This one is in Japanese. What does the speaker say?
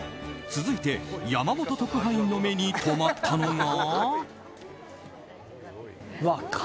続いて、山本特派員の目に留まったのが。